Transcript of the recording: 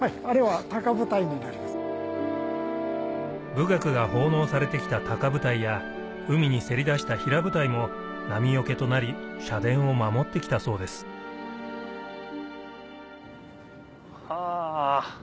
舞楽が奉納されてきた高舞台や海にせり出した平舞台も波よけとなり社殿を守ってきたそうですはぁ。